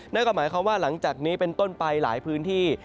นั่นก็หมายความว่าหลังจากนี้เป็นต้นไปหลายพื้นที่